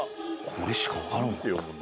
「これしかわからんわ」